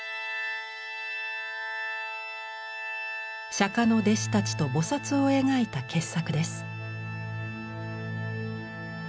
釈の弟子たちと菩を描いた傑作です。